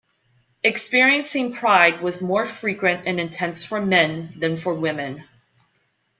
Experiencing pride was more frequent and intense for men than for women.